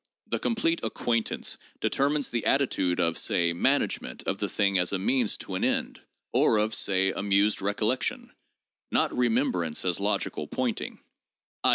The complete 'acquaintance' determines the attitude of, say, management of the thing as a means to an end; or of, say, amused recollection— not remembrance as logical pointing; i.